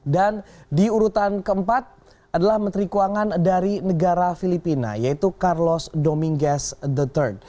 dan di urutan keempat adalah menteri keuangan dari negara filipina yaitu carlos dominguez iii